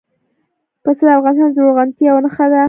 پسه د افغانستان د زرغونتیا یوه نښه ده.